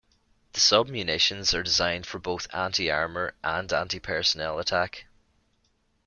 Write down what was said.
The sub-munitions are designed for both anti-armor and antipersonnel attack.